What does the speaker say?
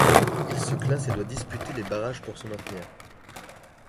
Il se classe et doit disputer les barrages pour se maintenir.